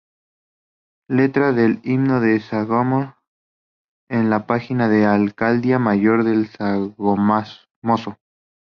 Letra del himno de Sogamoso en la página de la Alcaldía Mayor de Sogamoso.